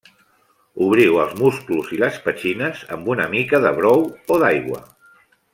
Obriu els musclos i les petxines amb una mica de brou o d'aigua.